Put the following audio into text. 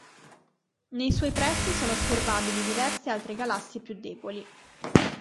Nei suoi pressi sono osservabili diverse altre galassie più deboli.